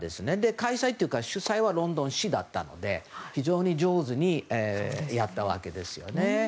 開催というか主催はロンドン市だったので非常に上手にやったわけですよね。